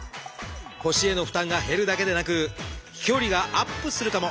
腰への負担が減るだけでなく飛距離がアップするかも！